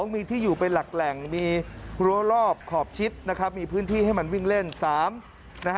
มีที่อยู่เป็นหลักแหล่งมีรั้วรอบขอบชิดนะครับมีพื้นที่ให้มันวิ่งเล่น